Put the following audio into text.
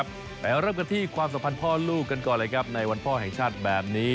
ไปเริ่มกันที่ความสัมพันธ์พ่อลูกกันก่อนเลยครับในวันพ่อแห่งชาติแบบนี้